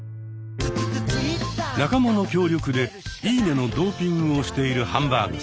仲間の協力で「いいね」のドーピングをしているハンバーグさん。